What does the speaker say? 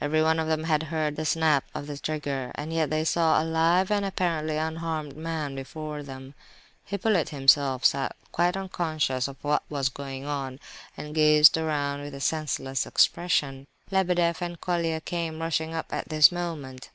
Every one of them had heard the snap of the trigger, and yet they saw a live and apparently unharmed man before them. Hippolyte himself sat quite unconscious of what was going on, and gazed around with a senseless expression. Lebedeff and Colia came rushing up at this moment.